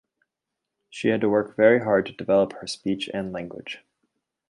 She had to work very hard to develop her speech and language.